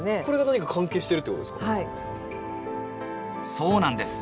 そうなんです。